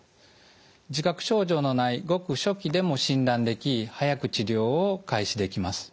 自覚症状のないごく初期でも診断でき早く治療を開始できます。